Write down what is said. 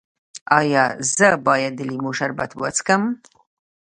ایا زه باید د لیمو شربت وڅښم؟